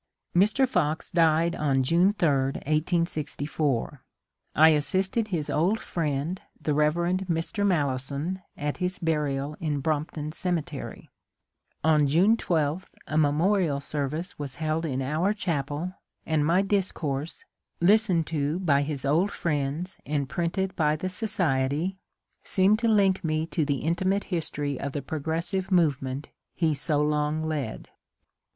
Mr. Fox died on June 8, 1864. I assisted his old friend. 66 MONCURE DANIEL CONWAY the Bey. Mr. Malleson, at his burial in Brompton Cemetery* On June 12 a memorial seryice was held in our chapel, and my discourse, listened to by his old friends aiid printed by the society, seemed to link me to the intimate history of the pro gressive movement he so long led.